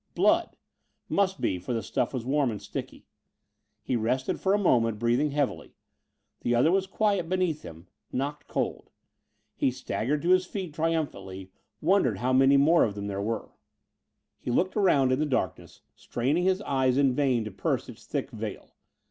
Blood! Must be, for the stuff was warm and sticky. He rested for a moment, breathing heavily. The other was quiet beneath him knocked cold. He staggered to his feet triumphantly; wondered how many more of them there were. He looked around in the darkness, straining his eyes in vain to pierce its thick veil.